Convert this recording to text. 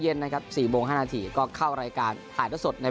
เย็นนะครับสี่โมงห้านาทีก็เข้ารายการถ่ายด้วยสดใน